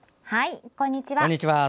こんにちは。